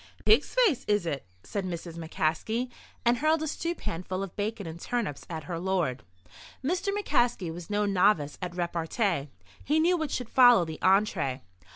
"Pig's face, is it?" said Mrs. McCaskey, and hurled a stewpan full of bacon and turnips at her lord. Mr. McCaskey was no novice at repartee. He knew what should follow the entrée.